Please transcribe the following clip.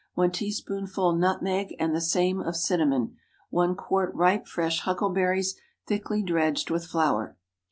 1 teaspoonful nutmeg, and the same of cinnamon. 1 qt. ripe, fresh huckleberries, thickly dredged with flour.